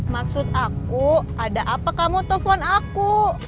maksud aku ada apa kamu telpon aku